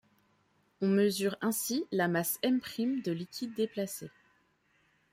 On mesure ainsi la masse m' de liquide déplacé.